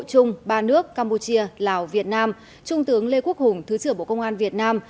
chung ba nước campuchia lào việt nam trung tướng lê quốc hùng thứ trưởng bộ công an việt nam